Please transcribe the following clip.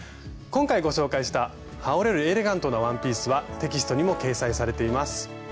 今回ご紹介した「はおれるエレガントなワンピース」はテキストにも掲載されています。